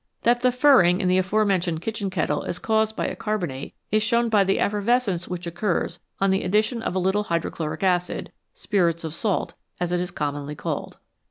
That the " furring " in the aforementioned kitchen kettle is caused by a carbonate is shown by the effervescence which occurs on the addition of a little hydrochloric acid " spirits of salt," as it is commonly called.